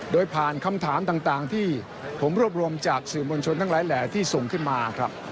โดยผ่านคำถามต่างที่ผมรวบรวมจากสื่อมวลชนทั้งหลายแหล่ที่ส่งขึ้นมาครับ